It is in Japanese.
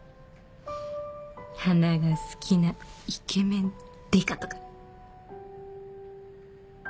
花が好きなイケメンデカとか。